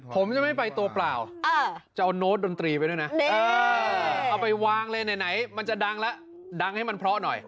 ผมจะไม่ไปตัวเปล่าจะเอาโน้ตดนตรีไปด้วยนะเอาไปวางเลยไหนมันจะดังแล้วดังให้มันเพราะหน่อย